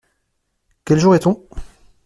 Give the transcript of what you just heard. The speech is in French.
Quel jour est-on ?